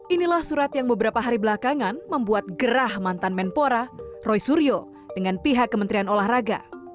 inilah surat yang beberapa hari belakangan membuat gerah mantan menpora roy suryo dengan pihak kementerian olahraga